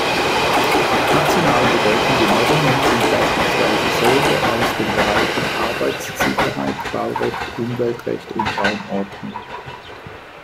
National bedeutende Normen sind beispielsweise solche aus den Bereichen Arbeitssicherheit, Baurecht, Umweltrecht und Raumordnung.